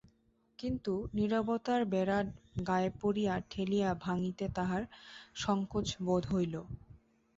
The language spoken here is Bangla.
কিন্তু এই নীরবতার বেড়া গায়ে পড়িয়া ঠেলিয়া ভাঙিতে তাহার সংকোচ বোধ হইল।